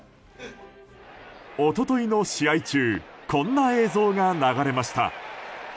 一昨日の試合中こんな映像が流れました。